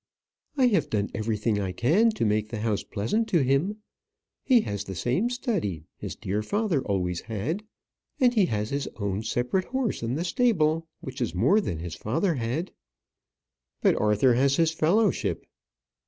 I have done everything I can to make the house pleasant to him. He has the same study his dear father always had; and he has his own separate horse in the stable, which is more than his father had." "But Arthur has his fellowship."